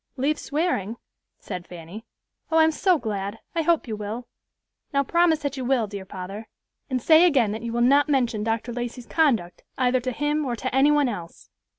"Leave swearing?" said Fanny. "Oh, I'm so glad. I hope you will. Now promise that you will, dear father, and say again that you will not mention Dr. Lacey's conduct either to him or to any one else."